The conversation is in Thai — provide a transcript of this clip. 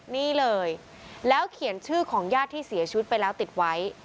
นี่เลยแล้วเขียนชื่อของญาติที่เสียชีวิตไปแล้วติดไว้